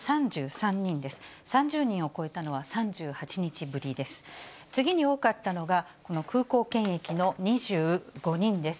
３０人を超えたのは３８日ぶりです。